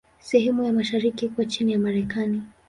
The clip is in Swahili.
Sehemu ya mashariki iko chini ya Marekani.